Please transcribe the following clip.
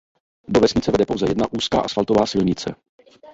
Do vesnice vede pouze jedna úzká asfaltová silnice.